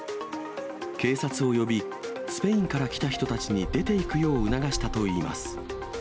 警察を呼び、スペインから来た人たちに出ていくよう促したといいます。